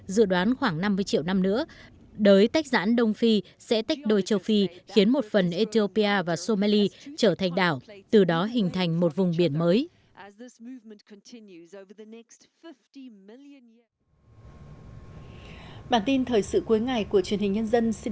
dự đoán khoảng năm mươi triệu năm nữa đới tách giãn đông phi sẽ tách đôi châu phi khiến một phần ethiopia và somalia trở thành đảo từ đó hình thành một vùng biển mới